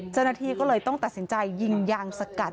เจ้าหน้าที่ก็เลยต้องตัดสินใจยิงยางสกัด